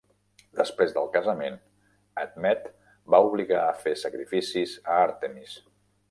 Després del casament, Admet va oblidar fer sacrificis a Àrtemis.